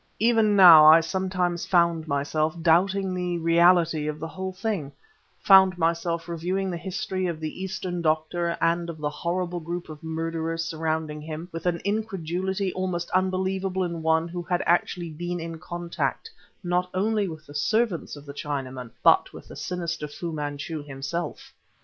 Even now I sometimes found myself doubting the reality of the whole thing; found myself reviewing the history of the Eastern doctor and of the horrible group of murderers surrounding him, with an incredulity almost unbelievable in one who had been actually in contact not only with the servants of the Chinaman, but with the sinister Fu Manchu himself.